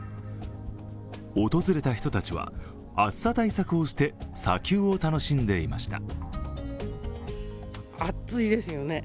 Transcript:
訪れた人たちは、暑さ対策をして砂丘を楽しんでいました。